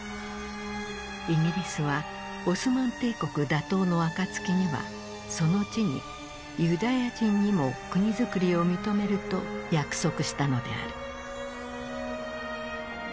イギリスはオスマン帝国打倒の暁にはその地にユダヤ人にも国づくりを認めると約束したのである。